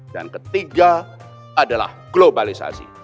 dan ketiga adalah globalisasi